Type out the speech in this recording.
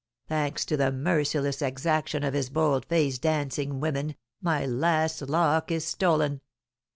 Thanks to the merciless exaction of his bold faced dancing women, my last lock is stolen.